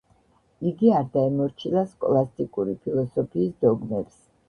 იგი არ დაემორჩილა სქოლასტიკური ფილოსოფიის დოგმებს.